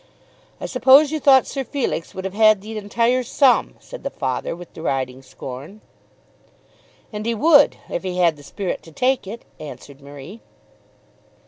"I suppose you thought Sir Felix would have had the entire sum," said the father with deriding scorn. "And he would; if he had the spirit to take it," answered Marie.